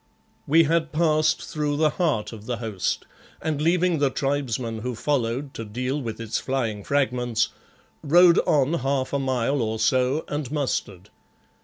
We had passed through the heart of the host, and leaving the tribesmen who followed to deal with its flying fragments, rode on half a mile or so and mustered.